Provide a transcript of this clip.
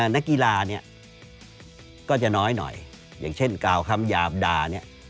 นักกีฬาก็จะน้อยหน่อยอย่างเช่นกล่าวคำยาบดา๓๐๐๐๕๐๐๐